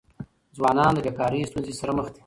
ځوانان د بيکاری ستونزې سره مخ دي.